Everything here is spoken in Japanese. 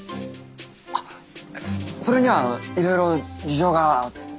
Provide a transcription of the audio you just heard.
あっそれにはいろいろ事情が。